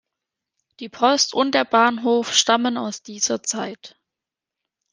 Die Post und der Bahnhof stammen aus dieser Zeit.